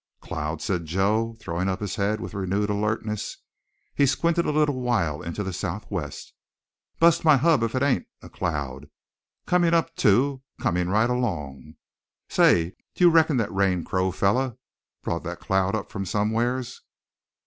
"Cloud?" said Joe, throwing up his head with renewed alertness. He squinted a little while into the southwest. "Bust my hub if it ain't a cloud! Comin' up, too comin' right along. Say, do you reckon that rain crow feller brought that cloud up from somewheres?"